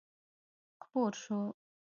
خپور شو.